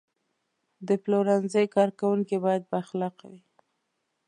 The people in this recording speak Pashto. د پلورنځي کارکوونکي باید بااخلاقه وي.